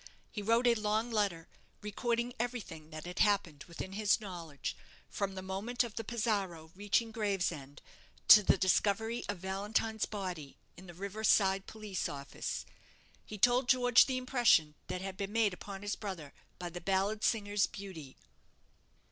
He wrote a long letter, recording everything that had happened within his knowledge, from the moment of the 'Pizarro' reaching Gravesend to the discovery of Valentine's body in the river side police office. He told George the impression that had been made upon his brother by the ballad singer's beauty.